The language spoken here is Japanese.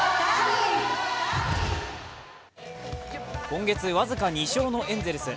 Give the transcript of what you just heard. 今月僅か２勝のエンゼルス。